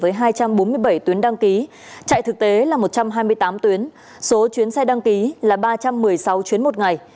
với hai trăm bốn mươi bảy tuyến đăng ký chạy thực tế là một trăm hai mươi tám tuyến số chuyến xe đăng ký là ba trăm một mươi sáu chuyến một ngày